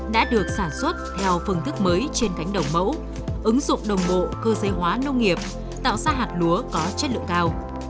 đã được sản xuất theo phương thức mới trên cánh đồng mẫu ứng dụng đồng bộ cơ giới hóa nông nghiệp tạo ra hạt lúa có chất lượng cao